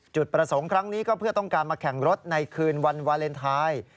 จุดประสงค์ครั้งนี้ก็เพื่อต้องการมาแข่งรถในคืนวันวาเลนไทย